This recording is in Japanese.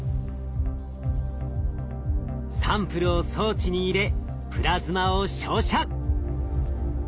サンプルを装置に入れプラズマを照射！